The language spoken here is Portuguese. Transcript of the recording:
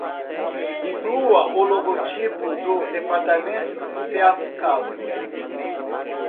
Inclua o logotipo do departamento, se aplicável.